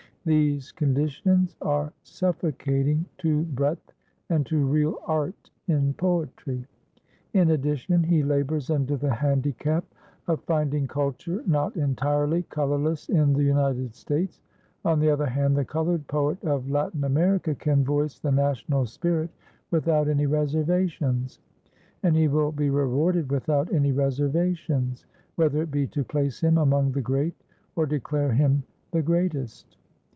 These conditions are suffocating to breadth and to real art in poetry. In addition he labors under the handicap of finding culture not entirely colorless in the United States. On the other hand, the colored poet of Latin America can voice the national spirit without any reservations. And he will be rewarded without any reservations, whether it be to place him among the great or declare him the greatest.